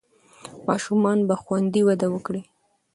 ماشومان به خوندي وده وکړي.